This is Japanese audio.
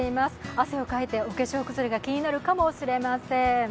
汗をかいて、お化粧崩れが気になるかもしれません。